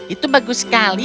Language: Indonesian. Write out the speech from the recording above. itu bagus sekali